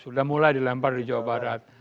sudah mulai dilempar di jawa barat